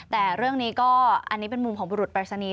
แต่เรื่องนี้ก็อันนี้เป็นมุมของบุรุษปรายศนีย์